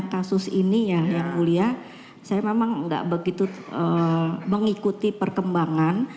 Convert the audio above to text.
kasus ini ya yang mulia saya memang nggak begitu mengikuti perkembangan